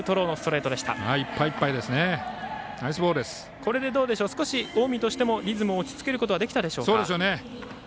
これで近江としてもリズムを落ち着けることができたでしょうか。